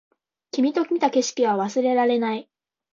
君と見た景色は忘れられない